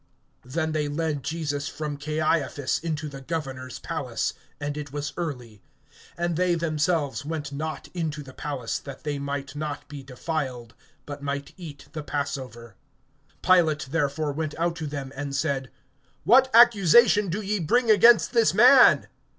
(28)Then they lead Jesus from Caiaphas into the Governor's palace; and it was early; and they themselves went not into the palace, that they might not be defiled, but might eat the passover. (29)Pilate therefore went out to them, and said: What accusation do ye bring against this man?